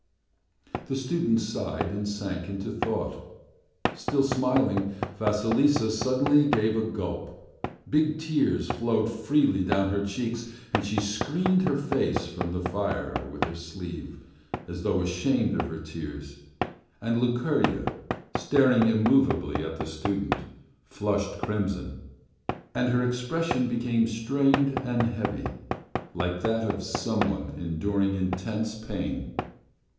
T he student sighed and sank into thought. Still smiling, Vasilisa suddenly gave a gulp, big tears flowed freely down her cheeks, and she screened her face from the fire with her sleeve as though ashamed of her tears, and Lukerya, staring immovably at the student, flushed crimson, and her expression became strained and heavy like that of someone enduring intense pain.